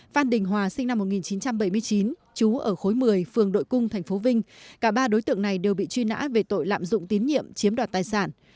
phan đình hòa sinh năm một nghìn chín trăm bảy mươi chín chú ở khối một mươi phường đội cung tp vinh cả ba đối tượng này đều bị truy nã về tội lạm dụng tín nhiệm chiếm đoạt tài sản